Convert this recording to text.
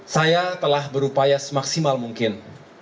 saya telah berupaya semaksimal mungkin